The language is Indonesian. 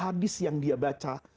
hadis yang dia baca